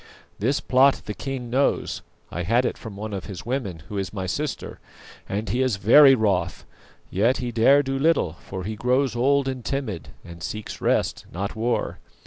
This plot the king knows I had it from one of his women, who is my sister and he is very wroth, yet he dare do little, for he grows old and timid, and seeks rest, not war.